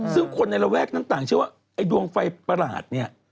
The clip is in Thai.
ซึ่งคนในระแวกนั้นต่างเชื่อว่าไอ้ดวงไฟประหลาดเนี่ย